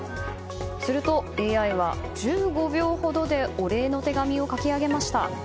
すると、ＡＩは１５秒ほどでお礼の手紙を書き上げました。